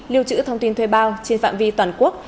lưu trữ thông tin thuê bao trên phạm vi toàn quốc